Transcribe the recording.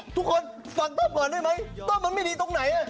ทุกคนฟังต้องก่อนได้ไหมว่ามันไม่ดีตรงไหน